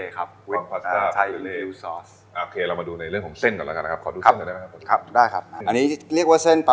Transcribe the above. อ่าครับผมครับอยู่สีแหลงครับที่เดียวกันอ๋อเลยเอาไว้อยู่